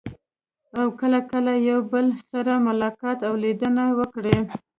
او کله کله یو بل سره ملاقات او لیدنه وکړي.